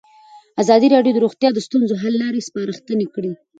ازادي راډیو د روغتیا د ستونزو حل لارې سپارښتنې کړي.